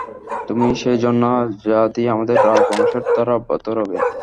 তুমিই সেই ঝর্ণা যা দিয়ে আমাদের রাজবংশের ধারা অব্যাহত রবে।